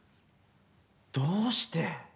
どうして？